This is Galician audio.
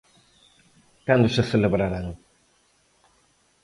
Cando se celebrarán?